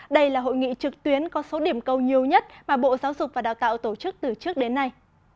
đây là hội nghị trực tuyến có số điểm cầu nhiều nhất mà bộ giáo dục và đào tạo tổ chức từ trước đến nay